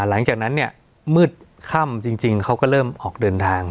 หลังจากนั้นเนี่ยมืดค่ำจริงเขาก็เริ่มออกเดินทาง